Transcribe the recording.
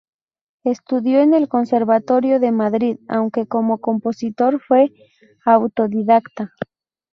Estudió en el Conservatorio de Madrid aunque como compositor fue autodidacta.